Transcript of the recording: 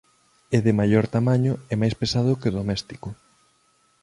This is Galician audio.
É de maior tamaño e máis pesado do que o doméstico.